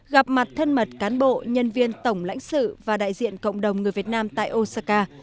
gặp mặt thân mật cán bộ nhân viên tổng lãnh sự và đại diện cộng đồng người việt nam tại osaka